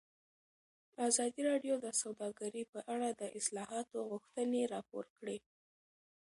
ازادي راډیو د سوداګري په اړه د اصلاحاتو غوښتنې راپور کړې.